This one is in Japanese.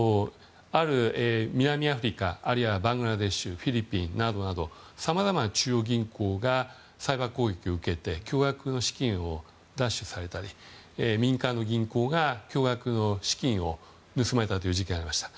南アフリカあるいはバングラデシュフィリピンなどなどさまざまな中央銀行がサイバー攻撃を受けて巨額の資金を奪取されたり民間の銀行が巨額の資金を盗まれたという事件がありました。